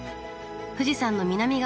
富士山の南側